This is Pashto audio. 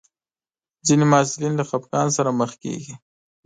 ځینې محصلین له خپګان سره مخ کېږي.